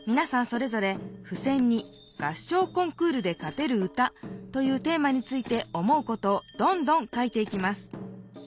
それぞれふせんに「合唱コンクールで勝てる歌」というテーマについて思うことをどんどん書いていきます。